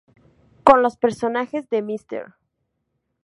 Con los personajes de "Mr.